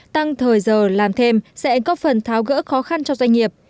tăng thời giờ làm thêm sẽ có phần tháo gỡ khó khăn cho doanh nghiệp